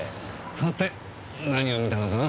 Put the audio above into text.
さて何を見たのかな。